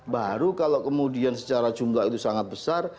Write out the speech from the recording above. baru kalau kemudian secara jumlah itu sangat besar